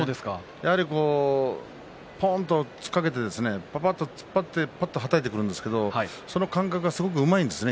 やはりぽんと突っかけてぱぱっと突っ張ってぱっとはたいてくるんですけどその感覚がうまいんですね